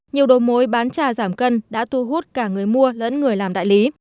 nhiều đồ mối bán trà giảm cân đã thu hút cả người mua lẫn người làm đại lý